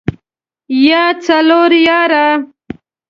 يا څلور ياره.